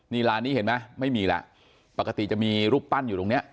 นี่ร้านนี้เห็นไหมไม่มีแล้วปกติจะมีรูปปั้นอยู่ตรงเนี้ย